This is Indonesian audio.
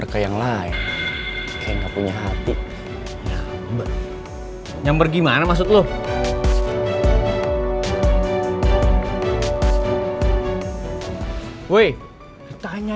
sampai jumpa di video selanjutnya